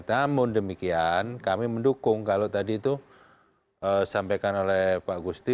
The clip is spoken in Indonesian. namun demikian kami mendukung kalau tadi itu sampaikan oleh pak gusti